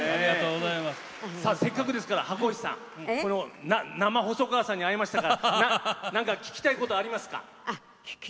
せっかくですから箱石さん生細川さんに会えましたからなんか聞きたいことありますか？